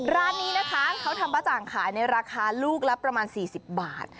ร้านนี้นะคะเขาทำป้าจ่างขายในราคาลูกละประมาณ๔๐บาท